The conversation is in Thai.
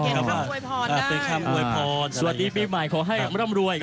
นี่เป็นลายมือของผู้ฝ่าย